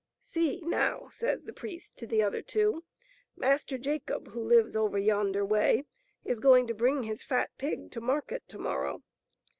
" See, now," says the priest to the other two, " Master Jacob, who lives over yonder way, is going to bring his fat pig to market to morrow.